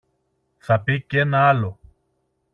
Θα πει κι ένα άλλο